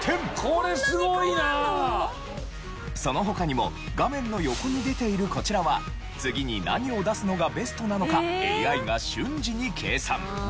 「これすごいな！」その他にも画面の横に出ているこちらは次に何を出すのがベストなのかＡＩが瞬時に計算。